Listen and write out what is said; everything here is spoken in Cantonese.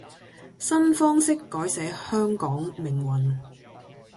新方式改寫香港命運